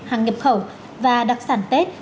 hàng nhập khẩu và đặc sản tết